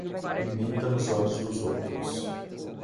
Pimenta nos olhos dos outros